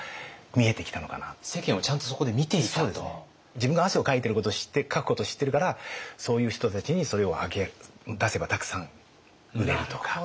自分が汗をかくことを知ってるからそういう人たちにそれを出せばたくさん売れるとか。